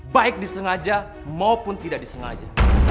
baik disengaja maupun tidak disengaja